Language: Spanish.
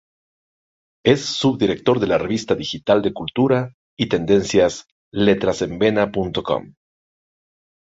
Es subdirector de la revista digital de cultura y tendencias letrasenvena.com